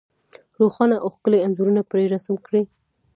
روښانه او ښکلي انځورونه پرې رسم کړي.